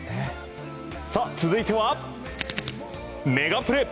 続いては、メガプレ。